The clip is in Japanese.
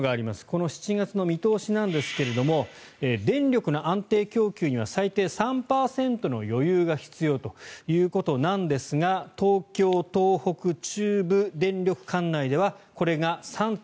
この７月の見通しなんですが電力の安定供給には最低３％の余裕が必要ということなんですが東京、東北、中部電力管内ではこれが３．１％。